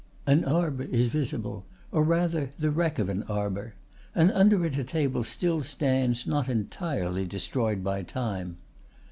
An arbor is visible, or rather the wreck of an arbor, and under it a table still stands not entirely destroyed by time.